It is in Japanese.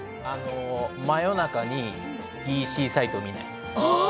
真夜中にＥＣサイトを見ない。